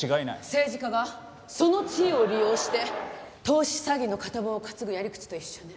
政治家がその地位を利用して投資詐欺の片棒を担ぐやり口と一緒ね。